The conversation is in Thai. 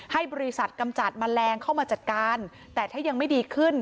ให้บริษัทกำจัดแมลงเข้ามาจัดการแต่ถ้ายังไม่ดีขึ้น